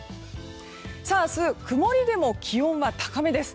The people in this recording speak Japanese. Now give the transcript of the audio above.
明日、曇りでも気温は高めです。